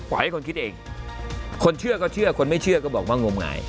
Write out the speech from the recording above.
ให้คนคิดเองคนเชื่อก็เชื่อคนไม่เชื่อก็บอกว่างมงาย